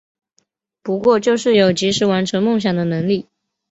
不过就是有及时完成梦想的能力